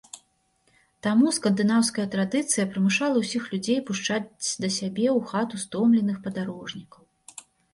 Таму скандынаўская традыцыя прымушала ўсіх людзей пушчаць да сябе ў хату стомленых падарожнікаў.